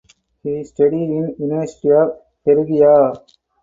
He studied in University of Perugia.